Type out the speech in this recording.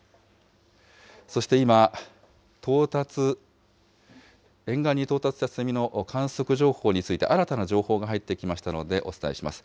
そして今、到達、沿岸に到達した津波の観測情報について、新たな情報が入ってきましたので、お伝えします。